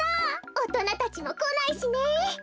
おとなたちもこないしね。